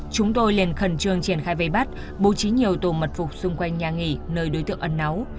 chúng tôi liền khẩn trương triển khai vây bắt bố trí nhiều tùm mật phục xung quanh nhà nghỉ nơi đối tượng ẩn náu